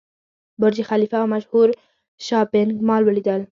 برج خلیفه او مشهور شاپینګ مال ولیدل.